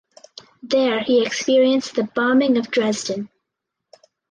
There he experienced the Bombing of Dresden.